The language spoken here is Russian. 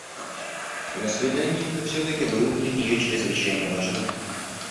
Но свидание это всё-таки было для нее чрезвычайно важно.